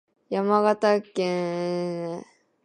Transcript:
山形県鮭川村